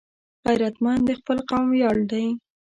غیرتمند د خپل قوم ویاړ دی